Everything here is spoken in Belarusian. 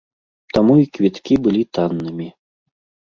Таму і квіткі былі таннымі.